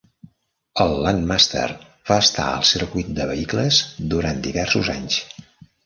El Landmaster va estar al circuit de vehicles durant diversos anys.